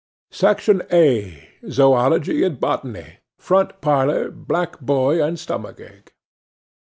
'SECTION A.—ZOOLOGY AND BOTANY. FRONT PARLOUR, BLACK BOY AND STOMACH ACHE.